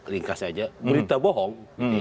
ringkas aja berita bohong